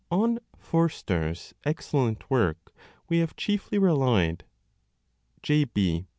On Forster s excellent work we have chiefly relied ; J. B.